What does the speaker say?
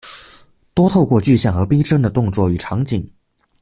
多透過具象而逼真的動作與場景